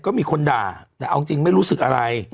ก็มีคนด่าแต่เอาจริงไม่รู้สึกอะไร